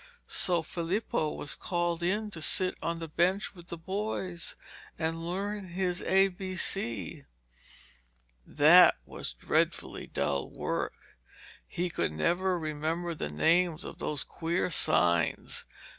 So Filippo was called in to sit on the bench with the boys and learn his A B C. That was dreadfully dull work. He could never remember the names of those queer signs.